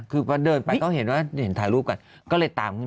คือพอเดินไปก็เห็นว่าเห็นถ่ายรูปกันก็เลยตาม